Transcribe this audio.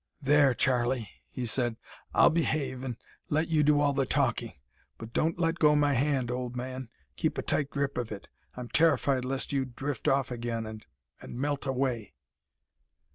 "There, Charlie," he said, "I'll behave, and let you do all the talking; but don't let go my hand, old man. Keep a tight grip of it. I'm terrified lest you drift off again, and and melt away."